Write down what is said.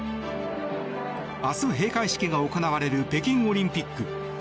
明日、閉会式が行われる北京オリンピック。